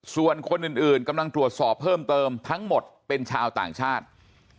ส่วนคนอื่นกำลังตรวจสอบเพิ่มเติมทั้งหมดเป็นชาวต่างชาติ